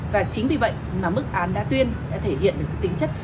và chính vì vậy mà mức án đa tuyên đã thể hiện được tính chất